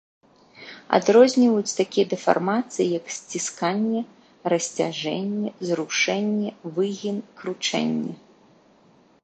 Адрозніваюць такія дэфармацыі, як сцісканне, расцяжэнне, зрушэнне, выгін, кручэнне.